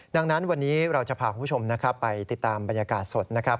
ดังนั้นวันนี้เราจะพาคุณผู้ชมนะครับไปติดตามบรรยากาศสดนะครับ